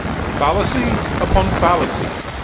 "Fallacy upon fallacy!"